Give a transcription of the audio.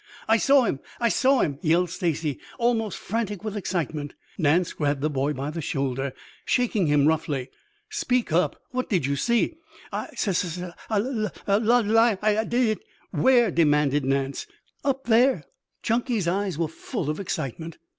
"I saw him! I saw him!" yelled Stacy, almost frantic with excitement. Nance grabbed the boy by the shoulder, shaking him roughly. "Speak up. What did you see?" "I su su saw a lu lu lion, I di did." "Where?" demanded Nance. "Up there." Chunky's eyes were full of excitement.